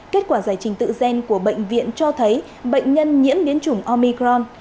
kết quả giải trình tự gen của bệnh viện cho thấy bệnh nhân nhiễm biến chủng omicron